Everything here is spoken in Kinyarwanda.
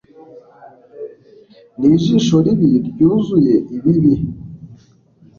nijisho ribi, ryuzuye ibibi